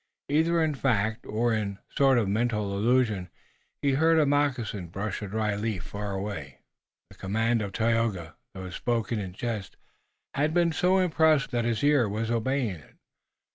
Either in fact or in a sort of mental illusion, he had heard a moccasin brush a dry leaf far away. The command of Tayoga, though spoken in jest, had been so impressive that his ear was obeying it.